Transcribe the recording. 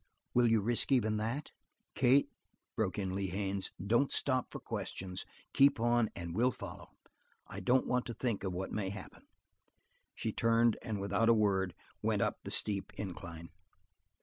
Will you risk even that?" "Kate," broke in Lee Haines, "don't stop for questions. Keep on and we'll follow. I don't want to think of what may happen." She turned without a word and went up the steep incline.